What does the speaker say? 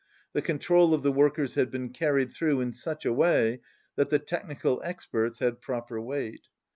The control of the workers had been carried through in such a way that the technical experts had proper weight.